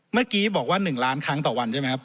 เมื่อกี้บอกว่า๑ล้านครั้งต่อวันใช่ไหมครับ